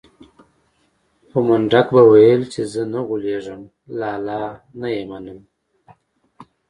خو منډک به ويل چې زه نه غولېږم لالا نه يې منم.